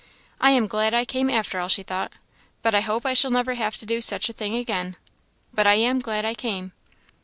"I am glad I came, after all," she thought; "but I hope I shall never have to do such a thing again. But I am glad I came."